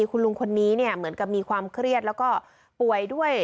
คุณลุงคนนี้เหมือนกับมีความเครียดแล้วก็ป่วยด้วย